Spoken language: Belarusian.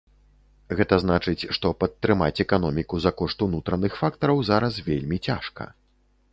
Гэта значыць, што падтрымаць эканоміку за кошт унутраных фактараў зараз вельмі цяжка.